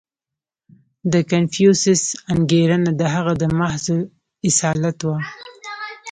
• د کنفوسیوس انګېرنه د هغه د محض اصالت وه.